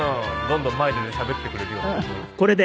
どんどん前に出てしゃべってくれるようなところ。